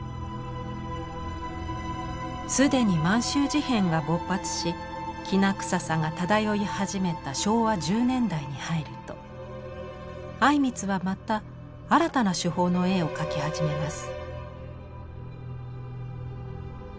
既に満州事変が勃発しきな臭さが漂い始めた昭和１０年代に入ると靉光はまた新たな手法の絵を描き始めます。